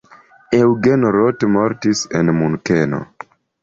Eugen Roth mortis en Munkeno.